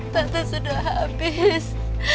tante sudah habis